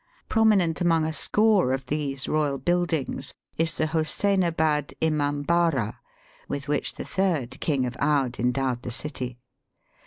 Prominent among a score of these royal buildings is the Hoseinabad Imambara, with which the third King of Oude endowed the city.